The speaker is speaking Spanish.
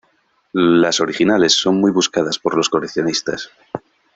Las originales son muy buscadas por los coleccionistas.